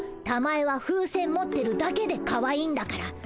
たまえは風船持ってるだけでかわいいんだから。